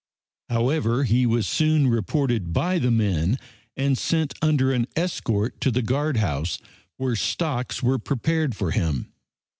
However, he was soon reported by the men and sent under an escort to the guard house, where stocks were prepared for him.